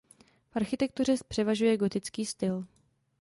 V architektuře převažuje gotický styl.